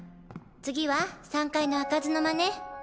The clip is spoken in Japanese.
次は３階の開かずの間ね？